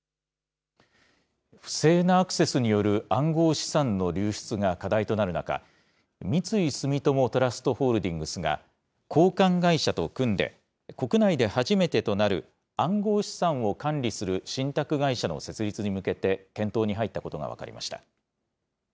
不正なアクセスによる暗号資産の流出が課題となる中、三井住友トラスト・ホールディングスが、交換会社と組んで、国内で初めてとなる暗号資産を管理する信託会社の設立に向けて検討に入ったことが分かりました。